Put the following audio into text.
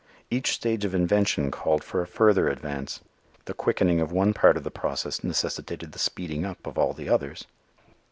Each stage of invention called for a further advance. The quickening of one part of the process necessitated the "speeding up" of all the others.